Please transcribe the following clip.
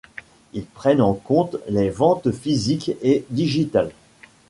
Ils prennent en compte les ventes physiques et digitales.